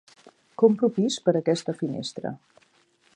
Compro pis per aquesta finestra.